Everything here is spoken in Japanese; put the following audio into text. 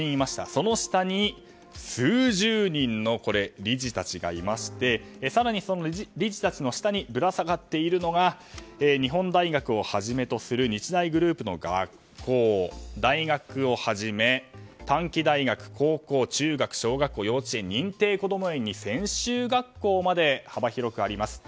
その下に数十人の理事たちがいまして更に、その理事たちの下にぶら下がっているのが日本大学をはじめとする日大グループの学校大学をはじめ短期大学高校、中学、小学校、幼稚園認定こども園に専修学校まで幅広くあります。